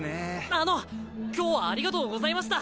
あの今日はありがとうございました。